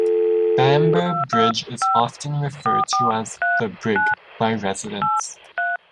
Bamber Bridge is often referred to as "the Brig" by residents.